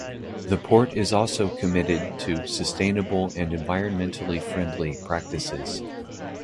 The port is also committed to sustainable and environmentally friendly practices.